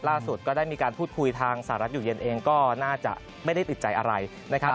ล่าสุดก็ได้มีการพูดคุยทางสหรัฐอยู่เย็นเองก็น่าจะไม่ได้ติดใจอะไรนะครับ